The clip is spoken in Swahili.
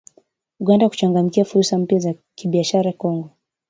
Uganda kuchangamkia fursa mpya za kibiashara Kongo